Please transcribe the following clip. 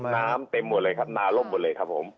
เต็มหมดเลยครับนาล่มหมดเลยครับผม